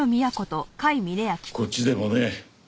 こっちでもね